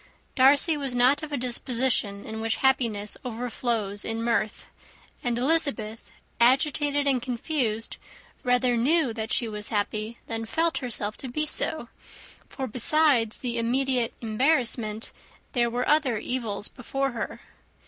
Darcy was not of a disposition in which happiness overflows in mirth; and Elizabeth, agitated and confused, rather knew that she was happy than felt herself to be so; for, besides the immediate embarrassment, there were other evils before her.